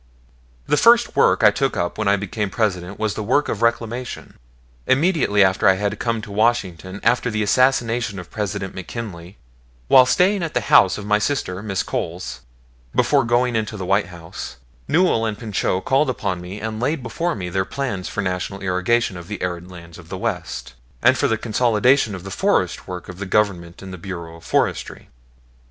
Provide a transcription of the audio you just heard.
The first work I took up when I became President was the work of reclamation. Immediately after I had come to Washington, after the assassination of President McKinley, while staying at the house of my sister, Mrs. Cowles, before going into the White House, Newell and Pinchot called upon me and laid before me their plans for National irrigation of the arid lands of the West, and for the consolidation of the forest work of the Government in the Bureau of Forestry.